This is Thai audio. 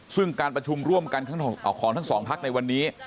ซึ่งการประชุมร่วมกันของทั้งสองพักในวันนี้